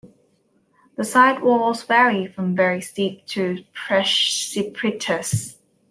The sidewalls vary from very steep to precipitous.